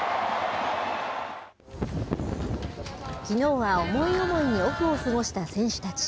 きのうはおもいおもいにオフを過ごした選手たち。